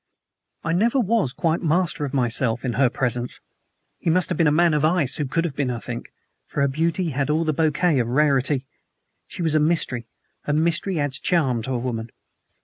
I never was quite master of myself in her presence. He must have been a man of ice who could have been, I think, for her beauty had all the bouquet of rarity; she was a mystery and mystery adds charm to a woman.